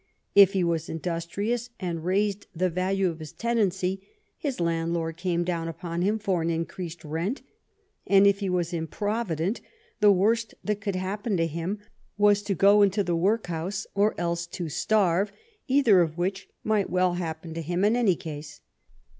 If he was industrious and raised the value of his tenancy, his landlord came down upon him for an increased rent; and if he was improvident, the worst that could happen to him was to go into the workhouse or else to starve, either of which might well happen to him in any case.